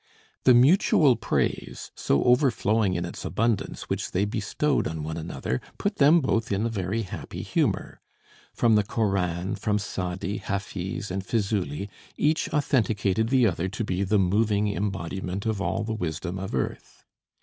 The mutual praise, so overflowing in its abundance, which they bestowed on one another put them both in a very happy humor. From the Koran, from Saadi, Hafiz, and Fizuli, each authenticated the other to be the moving embodiment of all the wisdom of earth.